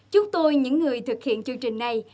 chúng tôi những người thực hiện chương trình này